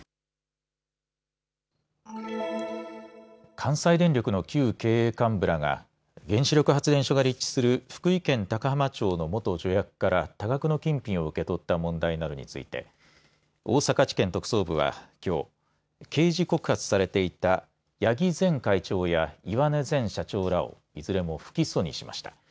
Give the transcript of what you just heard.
関西電力の旧経営幹部らが原子力発電所が立地する福井県高浜町の元助役から多額の金品を受け取った問題などについて大阪地検特捜部はきょう、刑事告発されていた八木前会長や岩根前社長らをいずれも不起訴にしました。